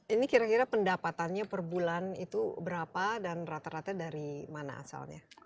ini kira kira pendapatannya per bulan itu berapa dan rata rata dari mana asalnya